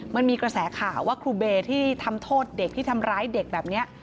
มันมีกระแสข่าวว่าครูเบย์ที่ทำโทษเด็กที่ทำร้ายเด็กแบบนี้